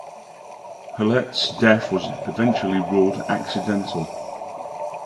Hulette's death was eventually ruled accidental.